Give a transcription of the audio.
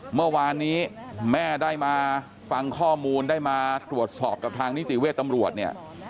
เมื่อวานนี้แม่ได้มาฟังข้อมูลได้มาตรวจสอบกับทางนิติเวชตำรวจเนี่ย